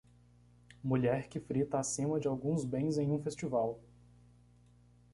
Mulher que frita acima de alguns bens em um festival.